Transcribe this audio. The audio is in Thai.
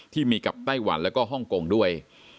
ที่มีกับไต้หวันแล้วก็ฮ่องกงด้วย